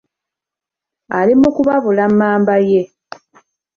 Ali mu kubabula mmamba ye.